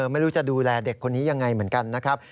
ไม่รู้จะดูแลเด็กคนนี้ยังไงเหมือนกันนะครับ